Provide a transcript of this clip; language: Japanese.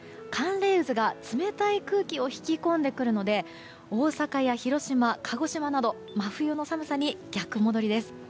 寒冷渦が冷たい空気を引き込んでくるので大阪や広島、鹿児島など真冬の寒さに逆戻りです。